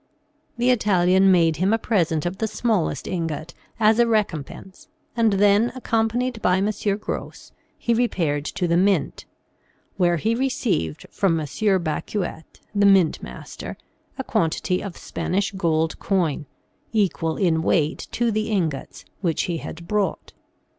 The Italian made him a present of the smallest ingot as a recompense and then, accompanied by M. Gros, he repaired to the mint, where he received from M. Bacuet, the mint master, a quantity of Spanish gold coin, equal in weight to the ingots which he had brought.